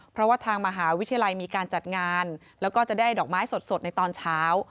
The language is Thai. เพราะว่าทางมหาวิทยาลัยมีการจัดงานแล้วก็จะได้ดอกไม้สดในตอนเช้า